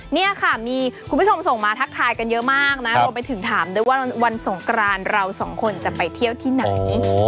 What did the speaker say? นี่ค่ะมีคุณผู้ชมส่งมาทักทายกันเยอะมากนะรวมไปถึงถามด้วยว่าวันสงกรานเราสองคนจะไปเที่ยวที่ไหน